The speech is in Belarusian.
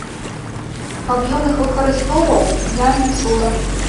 Каб ён іх выкарыстоўваў, я не чула.